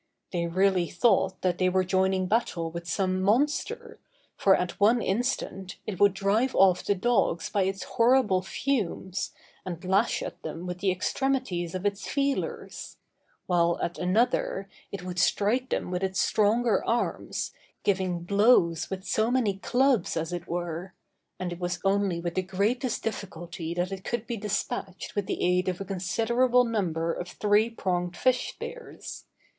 They really thought that they were joining battle with some monster, for at one instant, it would drive off the dogs by its horrible fumes, and lash at them with the extremities of its feelers; while at another, it would strike them with its stronger arms, giving blows with so many clubs, as it were; and it was only with the greatest difficulty that it could be despatched with the aid of a considerable number of three pronged fish spears.